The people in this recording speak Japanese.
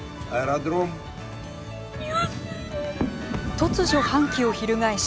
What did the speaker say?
突如、反旗を翻し